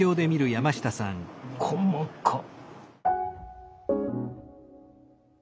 細かっ！